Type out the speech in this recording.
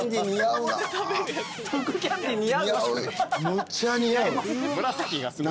むっちゃ似合う。